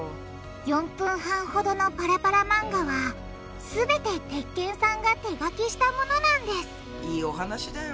４分半ほどのパラパラ漫画はすべて鉄拳さんが手がきしたものなんですいいお話だよ。